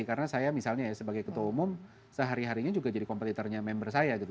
karena saya misalnya sebagai ketua umum sehari harinya juga jadi kompetitornya member saya gitu